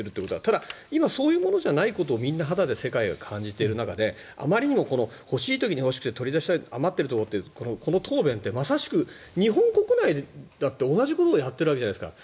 ただ、今そういうことじゃないところをみんな肌で世界が感じている中であまりにも欲しい時に欲しくて余っている時にっていうこの答弁ってまさしく日本国内だって同じことをやってるわけじゃないですか。